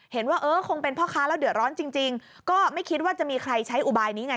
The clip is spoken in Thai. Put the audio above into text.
เห็นว่าเออคงเป็นพ่อค้าแล้วเดือดร้อนจริงจริงก็ไม่คิดว่าจะมีใครใช้อุบายนี้ไง